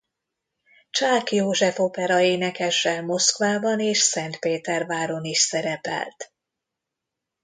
Csák József operaénekessel Moszkvában és Szentpéterváron is szerepelt.